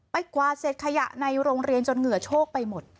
กวาดเสร็จขยะในโรงเรียนจนเหงื่อโชคไปหมด